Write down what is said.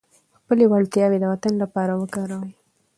خپلې وړتیاوې د وطن لپاره وکاروئ.